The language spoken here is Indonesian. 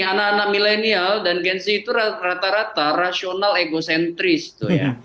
anak anak milenial dan gen z itu rata rata rasional egocentris tuh ya